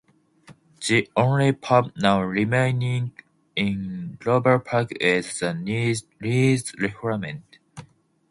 The only pub now remaining in Lovell Park is The Leeds Rifleman.